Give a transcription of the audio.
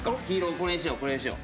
これにしようこれにしよう。